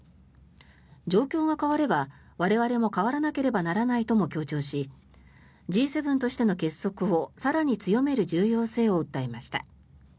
状況が変われば我々も変わらなければならないとも強調しＧ７としての結束を更に強める重要性を訴えました。